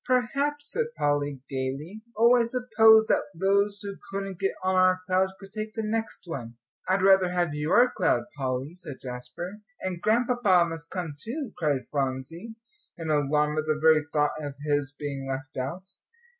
"Perhaps," said Polly, gaily. "Oh, I suppose that those who couldn't get on our cloud could take the next one." "I'd rather have your cloud, Polly," said Jasper. "And Grandpapa must come too," cried Phronsie, in alarm at the very thought of his being left out.